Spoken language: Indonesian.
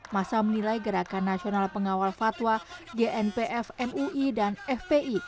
masa menilai gerakan nasional pengawal fatwa gnpf mui dan fpi